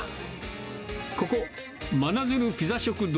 ここ、真鶴ピザ食堂